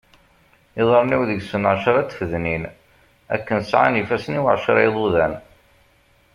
Iḍarren-iw deg-sen εecra tfednin akken sεan ifassen-iw εecra iḍuḍan.